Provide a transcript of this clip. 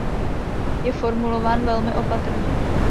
Je formulován velmi opatrně.